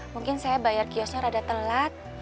mungkin saya bayar kiosnya rada telat